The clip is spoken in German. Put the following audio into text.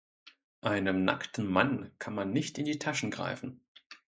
Einem nackten Mann kann man nicht in die Taschen greifen.